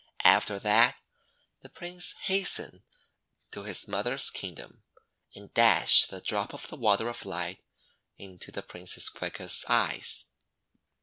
After that the Prince hastened to his mother's Kingdom, and dashed the Drop of the Water of Light into the Princess Coeca's eyes.